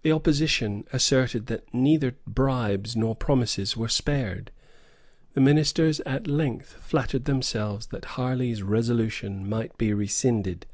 The opposition asserted that neither bribes nor promises were spared. The ministers at length flattered themselves that Harley's resolution might be rescinded.